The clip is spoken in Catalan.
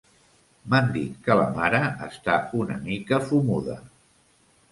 M'han dit que la mare està una mica fumuda.